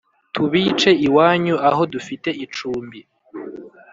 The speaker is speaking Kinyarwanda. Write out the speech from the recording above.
Tubice iwacu aho dufite icumbi